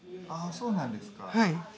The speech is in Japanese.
そうなんですか。